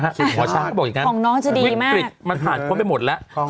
หัวช้างเขาบอกอย่างนั้นวิกฤตมันผ่านพ้นไปหมดแล้ว